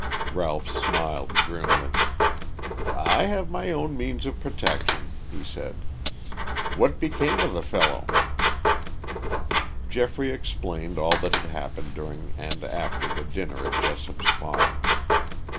Ralph smiled grimly. "I have my own means of protection," he said. "What became of the fellow?" Geoffrey explained all that had happened during and after the dinner at Jessop's farm.